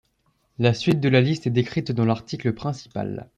La suite de la liste est décrite dans l'article principal.